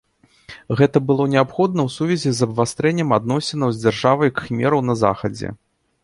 Гэта было неабходна ў сувязі з абвастрэннем адносінаў з дзяржавай кхмераў на захадзе.